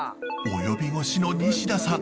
及び腰の西田さん。